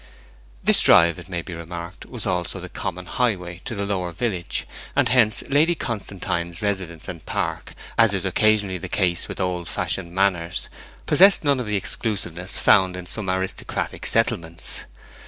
This drive, it may be remarked, was also the common highway to the lower village, and hence Lady Constantine's residence and park, as is occasionally the case with old fashioned manors, possessed none of the exclusiveness found in some aristocratic settlements.